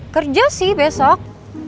kerja sih besok